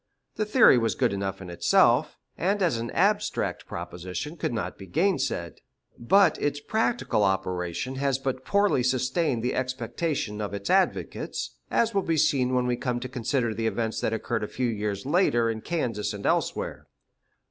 This theory was good enough in itself, and as an abstract proposition could not be gainsaid; but its practical operation has but poorly sustained the expectations of its advocates, as will be seen when we come to consider the events that occurred a few years later in Kansas and elsewhere.